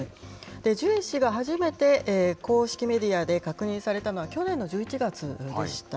ジュエ氏が初めて公式メディアで確認されたのは、去年の１１月でした。